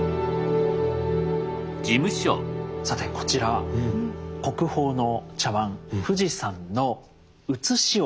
さてこちら国宝の茶碗「不二山」の写しを。